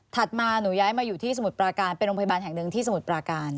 มาหนูย้ายมาอยู่ที่สมุทรปราการเป็นโรงพยาบาลแห่งหนึ่งที่สมุทรปราการ